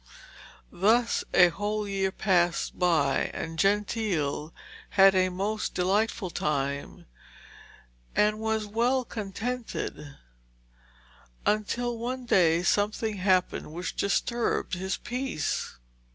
Thus a whole year passed by, and Gentile had a most delightful time and was well contented, until one day something happened which disturbed his peace.